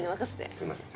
すいません。